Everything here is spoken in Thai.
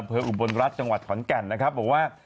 อุบลรัฐจังหวัดขอนแก่นนะครับบอกว่า